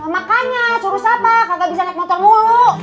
makanya suruh siapa kakak bisa naik motor mulu